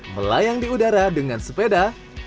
melayang di udara dengan sepeda